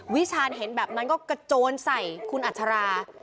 วิชาณเห็นแบบนั้นก็กระโจนใส่คุณอัชรา